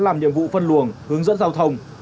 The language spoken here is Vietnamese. làm nhiệm vụ phân luồng hướng dẫn giao thông